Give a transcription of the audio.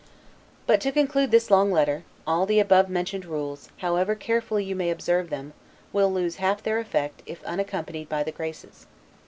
But to conclude this long letter; all the above mentioned rules, however carefully you may observe them, will lose half their effect, if unaccompanied by the Graces.